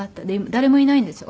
誰もいないんですよ